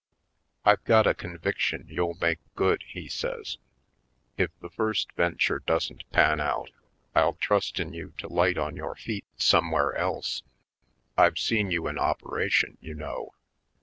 "I've got a conviction you'll make good," he says. "If the first venture doesn't pan out I'll trust in you to light on your feet 266 /. Poindexterj Colored somewhere else — I've seen you in opera tion, you know."